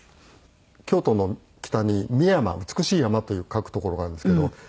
京都の北に美山美しい山と書く所があるんですけど。